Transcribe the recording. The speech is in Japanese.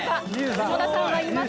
下田さんは言います。